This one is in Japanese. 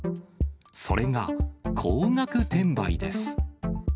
それが高額転売です。